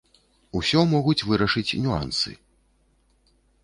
Усё могуць вырашыць нюансы.